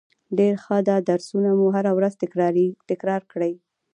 ډیره ښه ده درسونه مو هره ورځ تکرار کړئ